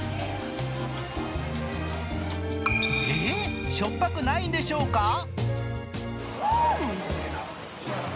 ええっ、しょっぱくないんでしょうか？